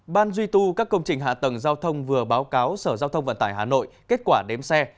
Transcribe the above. ban duy tu các công trình hạ tầng giao thông vừa báo cáo sở giao thông vận tải hà nội kết quả đếm xe